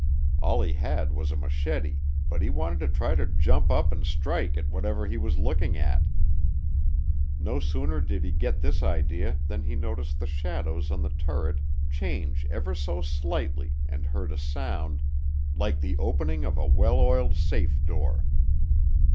All he had was a machete, but he wanted to try to jump up and strike at whatever he was looking at. No sooner did he get this idea than he noticed the shadows on the turret change ever so slightly and heard a sound, "like the opening of a well oiled safe door."